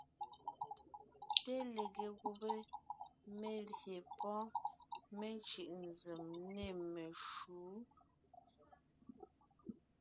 Té lege gùbé (melyè pɔ́ mecʉ̀ʼ nzèm) nê meshǔ.